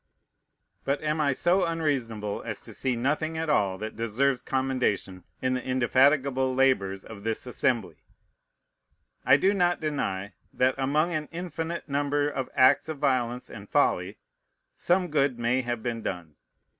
But am I so unreasonable as to see nothing at all that deserves commendation in the indefatigable labors of this Assembly? I do not deny, that, among an infinite number of acts of violence and folly, some good may have been done.